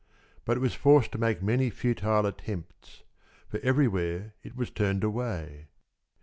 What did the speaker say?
But it was forced to make many futile attempts, for everywhere it was turned away.